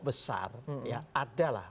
besar ya ada lah